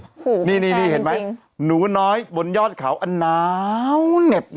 โอ้โหนี่เห็นไหมหนูน้อยบนยอดเขาอันหนาวเหน็บ